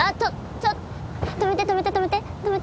ちょっと止めて止めて止めて。